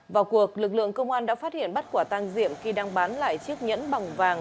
vào cuộc lực lượng công an đã phát hiện bắt quả tang diệm khi đang bán lại chiếc nhẫn bằng vàng